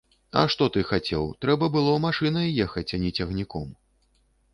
А што ты хацеў, трэба было машынай ехаць, а не цягніком.